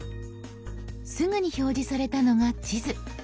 すぐに表示されたのが地図。